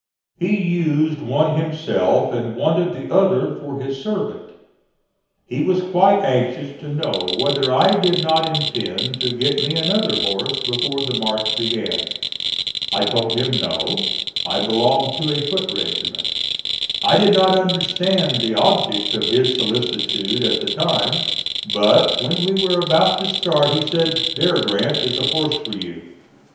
He used one himself and wanted the other for his servant. He was quite anxious to know whether I did not intend to get me another horse before the march began. I told him No; I belonged to a foot regiment. I did not understand the object of his solicitude at the time, but, when we were about to start, he said: "There, Grant, is a horse for you."